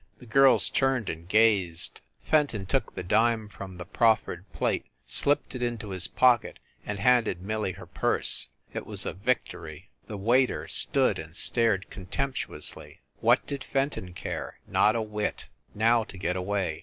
The girls turned and gazed. Fenton took the dime from the proffered plate, slipped it into his pocket, and handed Millie her purse. It was a vic tory. The waiter stood and stared contemptuously. What did Fenton care ? Not a whit ! Now, to get away!